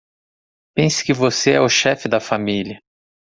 Pense que você é o chefe da família